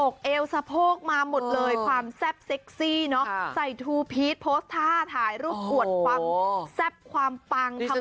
เอวสะโพกมาหมดเลยความแซ่บเซ็กซี่เนอะใส่ทูพีชโพสต์ท่าถ่ายรูปอวดความแซ่บความปังทำ